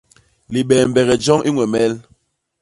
Libembege joñ i ñwemel.